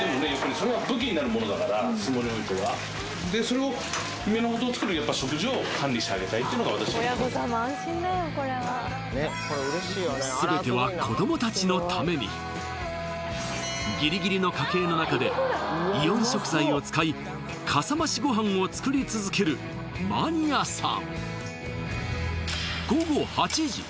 それは武器になるものだから相撲においてはそれを源をつくる食事を管理してあげたいっていうのが私のモットー全てはギリギリの家計の中でイオン食材を使いかさましご飯を作り続けるマニアさん